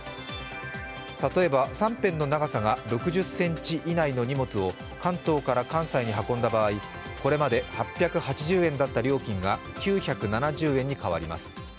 例えば３辺の長さが６０ｃｍ以内のにもつを関東から関西に運んだ場合、これまで８８０円だった料金が９７０円に変わります。